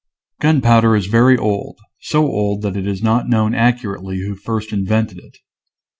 Gunpowder is very old, so old that it is not known accurately who first invented it.